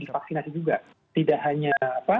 divaksinasi juga tidak hanya